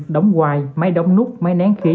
đóng quai máy đóng nút máy nén khí